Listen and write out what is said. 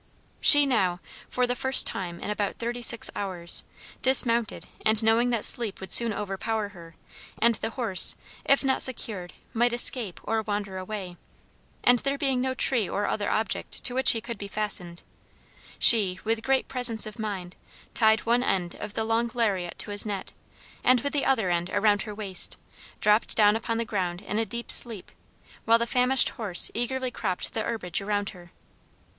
She now, for the first time in about thirty six hours, dismounted, and knowing that sleep would soon overpower her, and the horse, if not secured, might escape or wander away, and there being no tree or other object to which he could be fastened, she, with great presence of mind, tied one end of the long lariat to his neck, and, with the other end around her waist, dropped down upon the ground in a deep sleep, while the famished horse eagerly cropped the herbage around her.